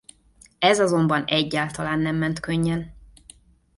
Ez azonban egyáltalán nem ment könnyen.